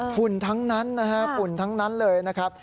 อ๋อฝุ่นทั้งนั้นฝุ่นทั้งนั้นเลยนะครับ